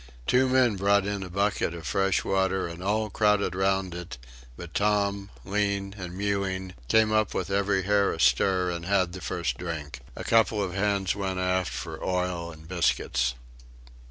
Two men brought in a bucket of fresh water, and all crowded round it; but Tom, lean and mewing, came up with every hair astir and had the first drink. A couple of hands went aft for oil and biscuits.